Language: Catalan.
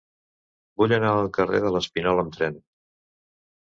Vull anar al carrer de l'Espinoi amb tren.